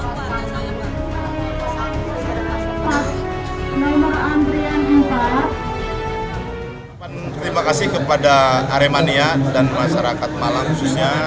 terima kasih kepada aremania dan masyarakat malang khususnya